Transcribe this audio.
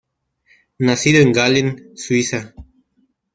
Nacido en Gallen, Suiza.